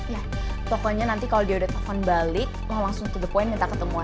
ya pokoknya nanti kalau dia udah telpon balik wah langsung to the point minta ketemuan